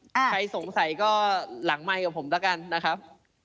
ใครสงสัยก็หลังไมค์กับผมแล้วกันนะครับ